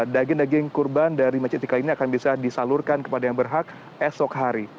daging daging kurban dari masjid istiqlal ini akan bisa disalurkan kepada yang berhak esok hari